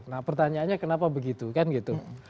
nah pertanyaannya kenapa begitu kan gitu